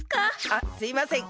あっすいません。